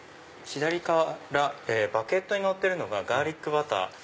左からバゲットにのってるのがガーリックバター。